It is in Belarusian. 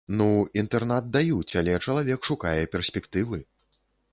Ну, інтэрнат даюць, але чалавек шукае перспектывы.